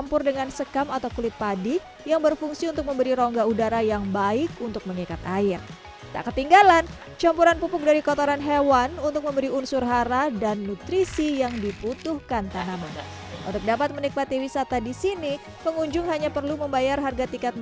pokoknya kita tanam ini tiga sampai lima tanggai